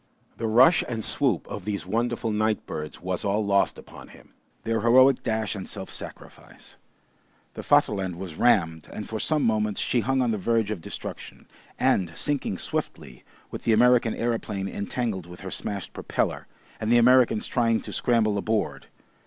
The rush and swoop of these wonderful night birds was all lost upon him; their heroic dash and self sacrifice. The Vaterland was rammed, and for some moments she hung on the verge of destruction, and sinking swiftly, with the American aeroplane entangled with her smashed propeller, and the Americans trying to scramble aboard.